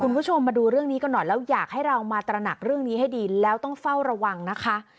คุณผู้ชมมาดูเรื่องนี้กันหน่อยแล้วอยากให้เรามาตระหนักเรื่องนี้ให้ดีแล้วต้องเฝ้าระวังนะคะ